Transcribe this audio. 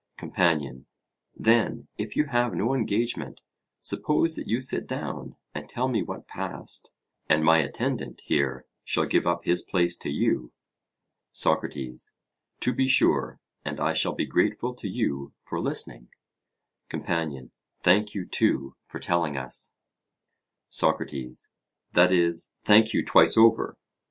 COMPANION: Then, if you have no engagement, suppose that you sit down and tell me what passed, and my attendant here shall give up his place to you. SOCRATES: To be sure; and I shall be grateful to you for listening. COMPANION: Thank you, too, for telling us. SOCRATES: That is thank you twice over.